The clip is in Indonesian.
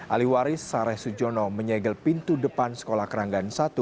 alih waris sareh sujono menyegel pintu depan sekolah keranggan satu